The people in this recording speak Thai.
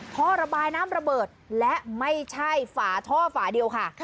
ท่อระบายน้ำระเบิดและไม่ใช่ฝาท่อฝาเดียวค่ะ